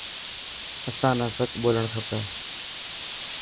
اسان نا سچ ٻولڻ کپي.